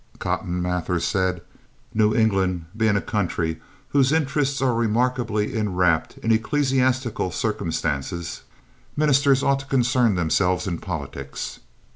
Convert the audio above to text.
Cotton Mather said, "New England being a country whose interests are remarkably inwrapped in ecclesiastical circumstances, ministers ought to concern themselves in politics."